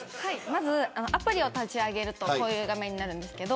まずアプリを立ち上げるとこういう画面になります。